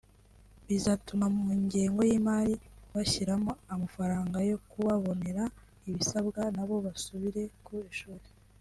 Bizatuma mu ngengo y’imari bashyiramo amafaranga yo kubabonera ibisabwa nabo basubire ku ishuri